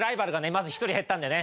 まず１人減ったんでね